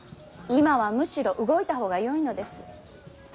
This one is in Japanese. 今はむしろ動いた方がよいのです。